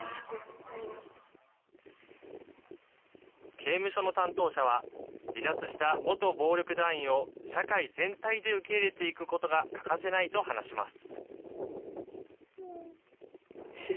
刑務所の担当者は、離脱した元暴力団員を社会全体で受け入れていくことが欠かせないと話します。